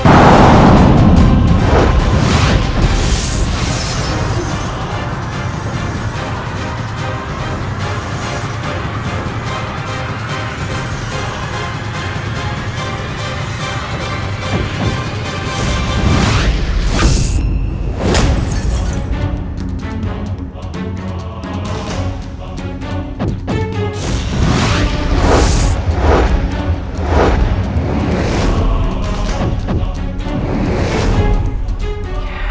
aku akan menemukanmu